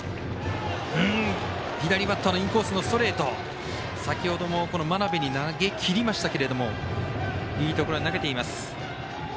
左バッターのインサイド先ほども真鍋に投げきりましたがいいところに投げています。